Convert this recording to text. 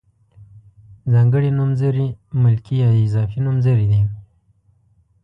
ځانګړي نومځري ملکي یا اضافي نومځري دي.